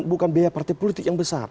bukan biaya partai politik yang besar